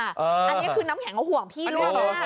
อันนี้คือน้ำแหงก็ห่วงพี่รู้หรือเปล่า